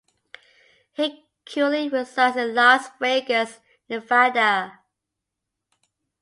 He currently resides in Las Vegas, Nevada.